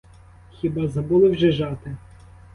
Хіба забули вже жати?